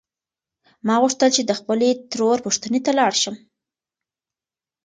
ما غوښتل چې د خپلې ترور پوښتنې ته لاړ شم.